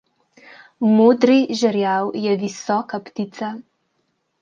Modri žerjav je visoka ptica.